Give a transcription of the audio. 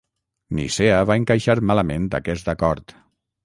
Nicea va encaixar malament aquest acord.